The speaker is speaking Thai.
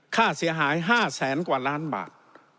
ค่าเสียหาย๕แสนกว่าล้านบาท